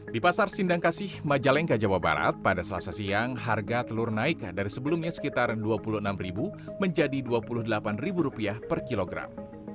di pasar sindang kasih majalengka jawa barat pada selasa siang harga telur naik dari sebelumnya sekitar rp dua puluh enam menjadi rp dua puluh delapan per kilogram